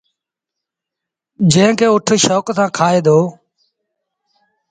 جݩهݩ کي اُٺ شوڪ سآݩ کآئي دو۔